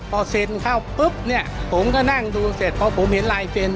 พอเซ็นเข้าปุ๊บเนี่ยผมก็นั่งดูเสร็จพอผมเห็นลายเซ็น